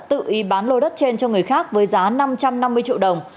tự ý bán lô đất trên cho người khác với giá năm trăm năm mươi triệu đồng